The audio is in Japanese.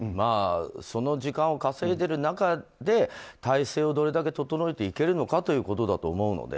その時間を稼いでる中で体制をどれだけ整えていけるのかというところだと思うので。